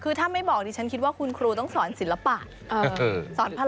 คือถ้าไม่บอกดิฉันคิดว่าคุณครูต้องสอนศิลปะเออเออสอนพระเออ